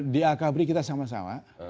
di akabri kita sama sama